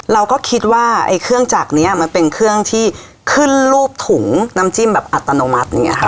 เราก็คิดว่าไอ้เครื่องจักรนี้มันเป็นเครื่องที่ขึ้นรูปถุงน้ำจิ้มแบบอัตโนมัติอย่างนี้ค่ะ